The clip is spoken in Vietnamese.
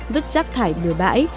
vứt rác thải bừa bãi